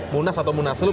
munas atau munasulup